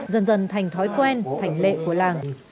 dần dần thành thói quen thành lệ của làng